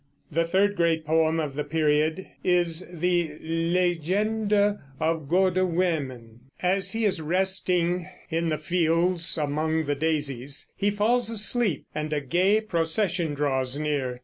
The third great poem of the period is the Legende of Goode Wimmen. As he is resting in the fields among the daisies, he falls asleep and a gay procession draws near.